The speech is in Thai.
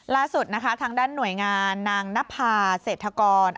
ล่าสุดนะคะทางด้านหน่วยงานนางนภาเศรษฐกร